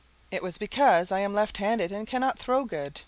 It was because I am left handed and cannot throw good.